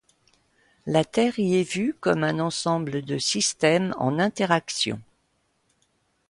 La Terre y est vue comme un ensemble de systèmes en interactions.